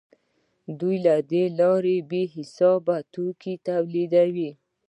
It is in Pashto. دوی له دې لارې بې حسابه توکي تولیدوي